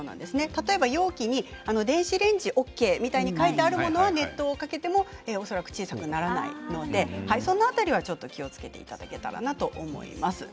例えば容器に電子レンジＯＫみたいに書いてあるものは熱湯をかけても恐らく小さくはならないのでその辺りは気をつけていただければと思います。